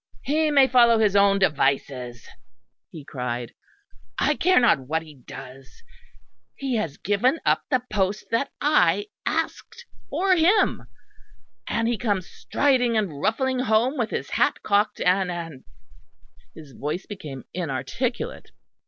"He may follow his own devices," he cried. "I care not what he does. He has given up the post that I asked for him; and he comes striding and ruffling home with his hat cocked and and "; his voice became inarticulate.